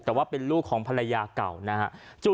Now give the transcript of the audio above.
แต่ว่าเป็นลูกของภรรยาเก่านะฮะ